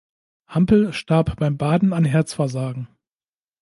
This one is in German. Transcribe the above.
Hampel starb beim Baden an Herzversagen.